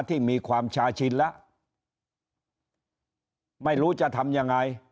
ที่มีความชาชินแล้วไม่รู้จะทำยังไง